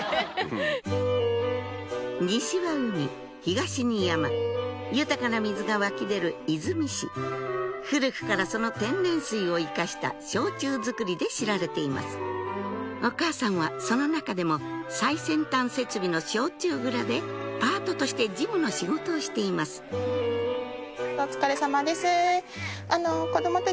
西は海東に山豊かな水が湧き出る出水市古くからその天然水を生かした焼酎造りで知られていますお母さんはその中でも最先端設備の焼酎蔵でパートとして事務の仕事をしていますお疲れさまです。